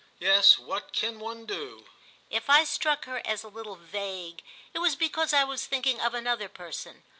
"Yes, what can one do?" If I struck her as a little vague it was because I was thinking of another person.